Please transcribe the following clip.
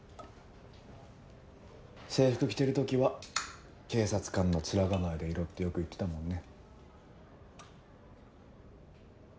制服着てる時は警察官の面構えでいろってよく言ってたもんね。